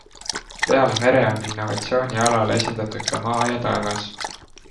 Peale mere on innovatsioonialal esindatud ka maa ja taevas.